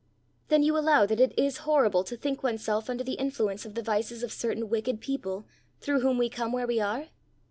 "Then you allow that it is horrible to think oneself under the influence of the vices of certain wicked people, through whom we come where we are?"